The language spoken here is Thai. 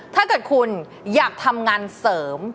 ถ้าเกิดคุณอยากทำงานเสริม